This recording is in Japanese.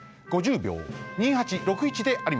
びょう２８６１であります。